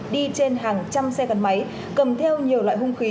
đi trên hàng trăm xe gắn máy cầm theo nhiều loại hung khí